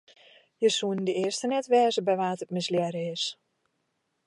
Jo soene de earste net wêze by wa't it mislearre is.